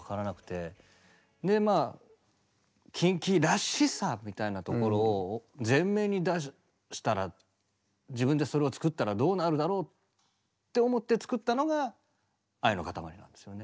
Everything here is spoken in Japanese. でまあ「ＫｉｎＫｉらしさ」みたいなところを前面に出したら自分でそれを作ったらどうなるだろうって思って作ったのが「愛のかたまり」なんですよね。